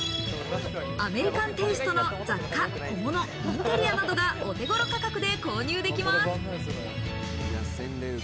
アメリカンテイストの雑貨、小物、インテリアなどがお手頃価格で購入できます。